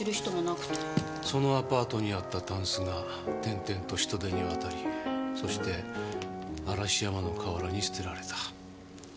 そのアパートにあったタンスが転々と人手に渡りそして嵐山の河原に捨てられた。